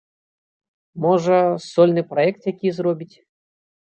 Можа, сольны праект які зробіць.